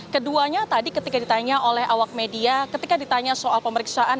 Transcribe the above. keduanya tadi ketika ditanya oleh awak media ketika ditanya soal pemeriksaan